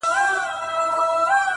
پاچا صاحبه خالي سوئ; له جلاله یې;